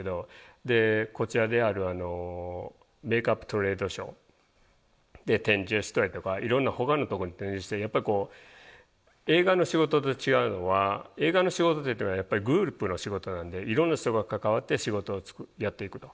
でこちらであるメイクアップトレードショーで展示をしたりとかいろんなほかのとこに展示してやっぱりこう映画の仕事と違うのは映画の仕事っていうのはやっぱりグループの仕事なんでいろんな人が関わって仕事をやっていくと。